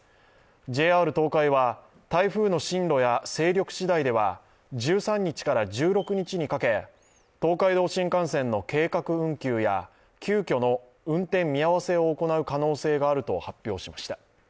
ＪＲ東海は台風の進路や勢力次第では１３日から１６日にかけ、東海道新幹線の計画運休や急きょの運転見合わせを行う可能性があると発表しました。